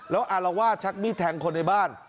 แล้วอารวาสชักมีดแทงคนในบ้าน